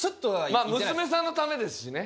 まあ娘さんのためですしね。